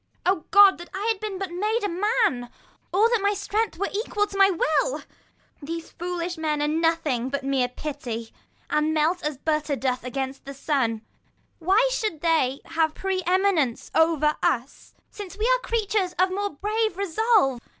IO God, that I had been but made a man ; 1 5 Or that my strength were equal with my will ! These foolish men are nothing but mere pity, And melt as butter doth against the sun. Sc. vi] HIS THREE DAUGHTERS 95 Why should they have pre eminence over us, Since we are creatures of more brave resolve